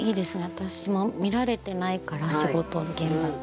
私も見られてないから仕事の現場っていうのは。